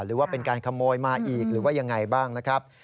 หรือว่าเป็นการขโมยมาอีกหรือว่ายังไงบ้างนะครับ